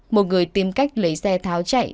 một người tìm cách lấy xe tháo chạy